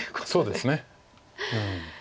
そうですね。